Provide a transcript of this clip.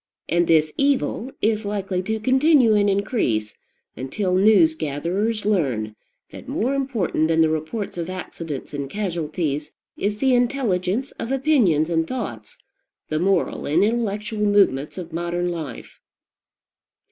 And this evil is likely to continue and increase until news gatherers learn that more important than the reports of accidents and casualties is the intelligence of opinions and thoughts, the moral and intellectual movements of modern life.